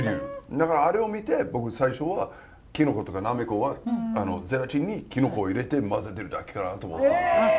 だからあれを見て僕最初はきのことかなめこはゼラチンにきのこを入れて混ぜてるだけかなと思ってたんです。